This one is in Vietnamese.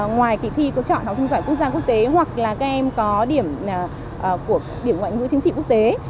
ngoài kỳ thi có chọn học sinh giải quốc gia quốc tế hoặc là kem có điểm ngoại ngữ chính trị quốc tế